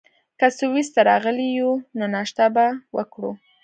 که سویس ته راغلي یو، نو ناشته به وکړو.